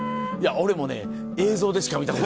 俺もね映像でしか見たことない。